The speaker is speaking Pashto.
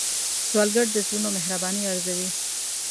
سوالګر د زړونو مهرباني ارزوي